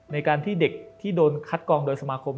ในการที่เด็กที่โดนคัดกองโดยสมาคม